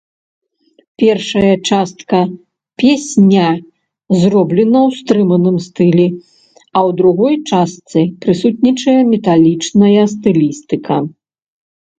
Першая частка песня зроблена ў стрыманым стылі, а ў другой частцы прысутнічае металічная стылістыка.